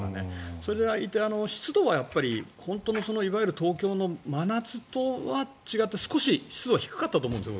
それでいて湿度は本当のいわゆる東京の真夏とは違って少し湿度は低かったと思うんです。